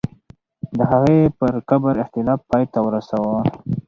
د هغې پر قبر اختلاف پای ته ورسوه.